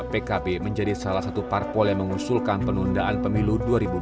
pkb menjadi salah satu parpol yang mengusulkan penundaan pemilu dua ribu dua puluh